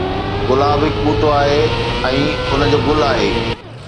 گلاب هڪ ٻوٽو آهي ۽ ان جو گل آهي